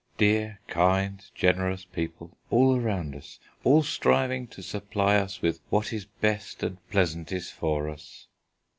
Dear, kind, generous people all around us, all striving to supply us with what is best and pleasantest for us."